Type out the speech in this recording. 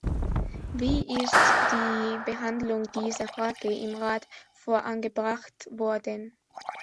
Wie ist die Behandlung dieser Frage im Rat vorangebracht worden?